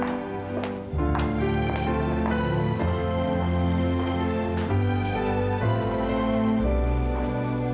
tidak bisa ibu